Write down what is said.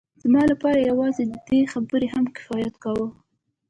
زما لپاره یوازې دې خبرې هم کفایت کاوه